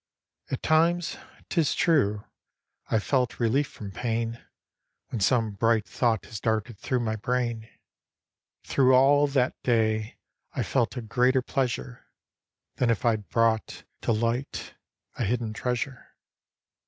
At times, 'tis true, I've felt relief from pain When some bright thought has darted through my brain Through all that da)' I've felt a greater pleasure Than if I'd brought to light a hidden treasure.